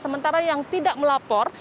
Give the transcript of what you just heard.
sementara yang tidak melapor